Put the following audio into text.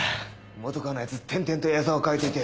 本川のやつ転々とヤサを替えていて。